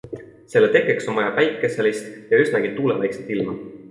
Selle tekkeks on vaja päikeselist ja üsnagi tuulevaikset ilma.